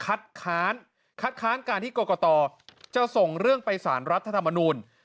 คัดค้านการที่กรกตจะส่งเรื่องไปสารรัฐธรรมนูล